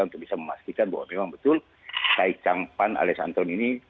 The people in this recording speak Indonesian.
untuk bisa memastikan bahwa memang betul cai cangpan alias anton ini